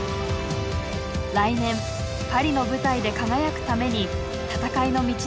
来年パリの舞台で輝くために戦いの道のりは続いていきます。